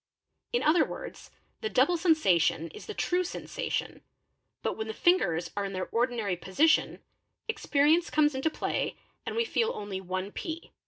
In other words the double sensation is the true sensation, but when — the fingers are in their ordinary position, experience comes into play and — we feel only one pea.